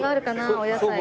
お野菜が。